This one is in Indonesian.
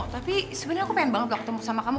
tapi sebenernya aku pengen banget lah ketemu sama kamu